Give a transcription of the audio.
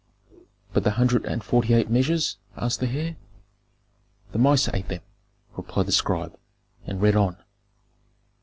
"But the hundred and forty eight measures?" asked the heir. "The mice ate them," replied the scribe, and read on.